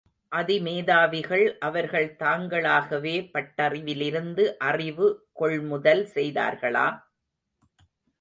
அதிமேதாவிகள் அவர்கள் தாங்களாகவே பட்டறிவிலிருந்து அறிவு, கொள்முதல் செய்தார்களா?